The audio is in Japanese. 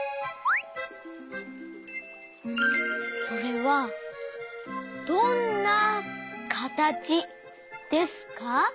それはどんなかたちですか？